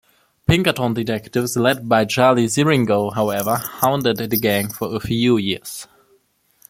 Pinkerton detectives led by Charlie Siringo, however, hounded the gang for a few years.